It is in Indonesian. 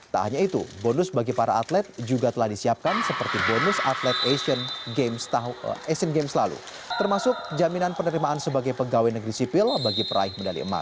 tak hanya itu bonus bagi para atlet juga telah disiapkan seperti bonus atlet asian games lalu termasuk jaminan penerimaan sebagai pegawai negeri sipil bagi peraih medali emas